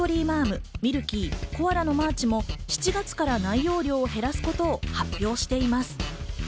カントリーマアム、ミルキー、コアラのマーチも７月から内容量を減らすことを発表しています。